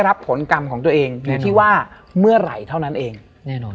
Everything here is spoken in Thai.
และวันนี้แขกรับเชิญที่จะมาเยี่ยมในรายการสถานีผีดุของเรา